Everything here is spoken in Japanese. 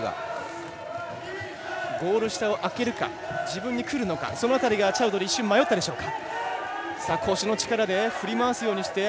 ゴール下をあけるか自分にくるのかチャウドリー一瞬、迷ったでしょうか。